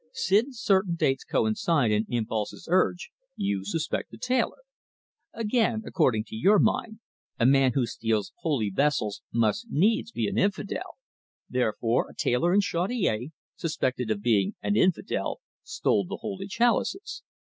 Since certain dates coincide and impulses urge, you suspect the tailor. Again, according to your mind, a man who steals holy vessels must needs be an infidel; therefore a tailor in Chaudiere, suspected of being an infidel, stole the holy chalices.